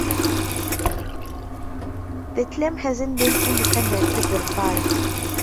The claim hasn't been independently verified.